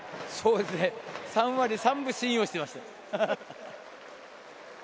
３割３分信用していました。